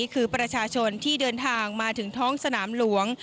คือประชาชนที่เดินทางมาถึงท้องสนามหลวง